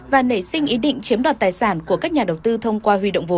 và nảy sinh ý định chiếm đoạt tài sản của các nhà đầu tư